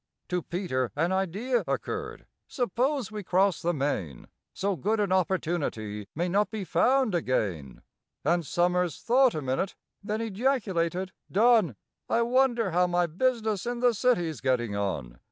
To PETER an idea occurred. "Suppose we cross the main? So good an opportunity may not be found again." And SOMERS thought a minute, then ejaculated, "Done! I wonder how my business in the City's getting on?"